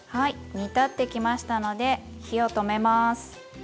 煮立ってきましたので火を止めます。